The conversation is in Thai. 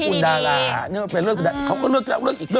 ผู้ชายเค้าก็เลิกคนแง่